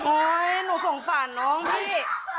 โอ้ยหนูสงสันน้องพี่